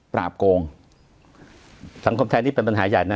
โกงสังคมไทยนี่เป็นปัญหาใหญ่นะ